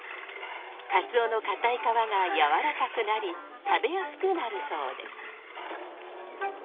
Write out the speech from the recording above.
カツオの硬い皮が柔らかくなり食べやすくなるそうです。